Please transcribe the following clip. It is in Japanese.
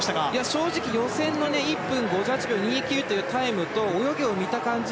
正直、予選の１分５８秒２９というタイムと泳ぎを見た感じ